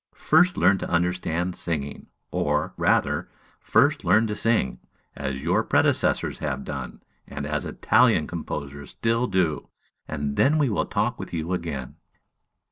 First learn to understand singing, or, rather, first learn to sing, as your predecessors have done, and as Italian composers still do, and then we will talk with you again."